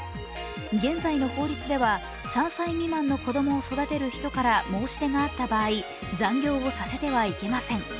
現在の法律では３歳未満の子供を育てる人から申し出があった場合、残業をさせてはいけません。